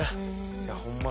いやほんま